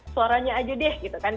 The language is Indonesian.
suaranya aja deh gitu kan